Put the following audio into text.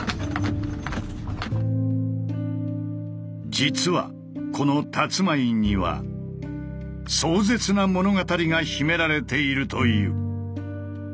実はこのたつまいには壮絶な物語が秘められているという。